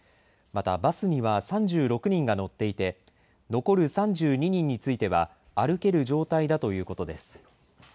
またバスには３６人が乗っていて残る３２人については歩ける状態だということです。